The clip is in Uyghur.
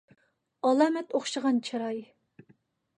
ئالامەت ئوخشىغان چىراي.